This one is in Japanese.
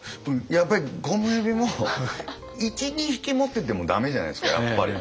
やっぱりゴムヘビも１２匹持ってても駄目じゃないですかやっぱり。